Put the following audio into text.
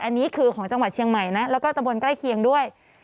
อันนี้คือของจังหวัดเชียงใหม่นะแล้วก็ตะบนใกล้เคียงด้วย